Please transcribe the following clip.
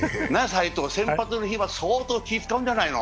先発の日は相当気を遣うんじゃないの？